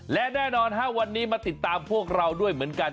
และแน่นอนวันนี้มาติดตามพวกเราด้วยเหมือนกัน